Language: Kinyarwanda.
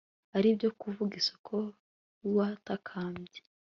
ari byo kuvuga isoko y'uwatakambye